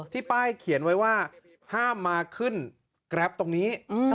ป้ายเขียนไว้ว่าห้ามมาขึ้นแกรปตรงนี้